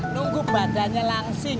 nunggu badannya langsing